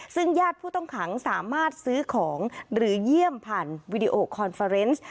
ซึ่งญาติผู้ต้องขังสามารถซื้อของหรือเยี่ยมผ่านวีดีโอคอนเฟอร์เนส